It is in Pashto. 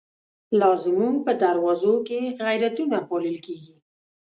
لازموږ په دروازوکی، غیرتونه پالل کیږی